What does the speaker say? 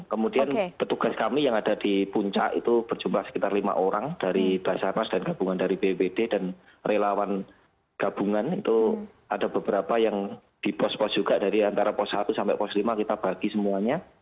kemudian petugas kami yang ada di puncak itu berjumlah sekitar lima orang dari basarnas dan gabungan dari bpd dan relawan gabungan itu ada beberapa yang di pos pos juga dari antara pos satu sampai pos lima kita bagi semuanya